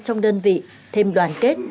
trong đơn vị thêm đoàn kết